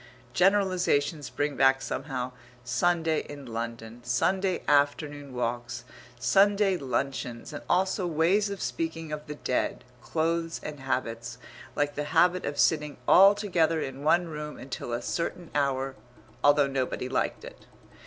Generalizations bring back somehow Sunday in London, Sunday afternoon walks, Sunday luncheons, and also ways of speaking of the dead, clothes, and habits like the habit of sitting all together in one room until a certain hour, although nobody liked it.